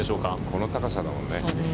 この高さだもんね。